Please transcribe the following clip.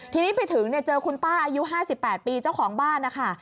ทีนี้ไปถึงเจอคุณป้าอายุ๕๘ปีเจ้าของบ้านนะคะ